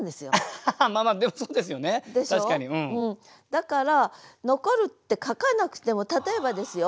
だから「残る」って書かなくても例えばですよ